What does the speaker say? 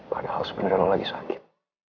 padahal sebenernya lo lagi sakit